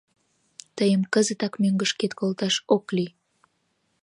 Тыйым кызытак мӧҥгышкет колташ ок лий.